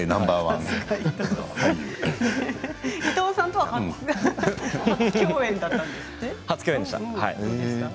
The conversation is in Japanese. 伊藤さんとは初共演だったんですね。